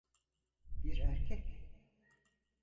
Bir erkek.